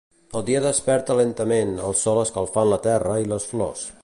El dia desperta lentament, el sol escalfant la terra i les flors.